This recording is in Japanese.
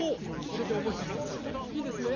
これでおぼえてくださいねいいですね。